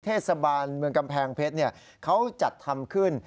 เทศบาลเมืองกำแพงเพชรเขาจัดทำขึ้น